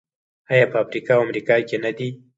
آیا په افریقا او امریکا کې نه دي؟